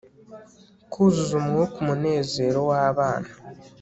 kuzuza umwuka umunezero wabana